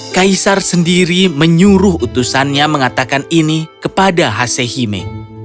kaisar sendiri menyuruh utusannya mengatakan ini kepada hasehime